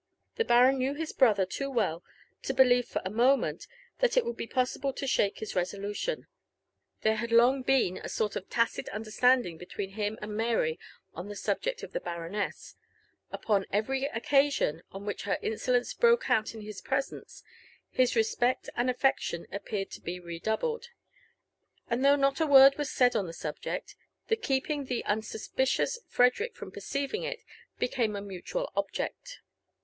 The baron knew his brother too well to believe for a moment that it would be possible to shake his resolution : there had long been a sort of tacit understanding between him and Mary on the subject of the baroness ; upon every occasion on which her insolence broke out in his presence, his respect and affection appeared to be redoubled ; and though not a word was said on the subject, the keeping the unsuspicious Frederick from perceiving it became a mutual object.